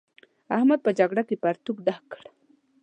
احمد په جګړه کې پرتوګ ډک کړ.